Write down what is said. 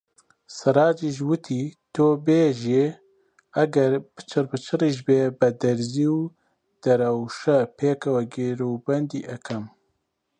سەڕاجیش وتی: تۆ بێژی ئەگەر پچڕپچڕیش بێ بە دەرزی و درەوشە پێکەوە گیروبەندی ئەکەم.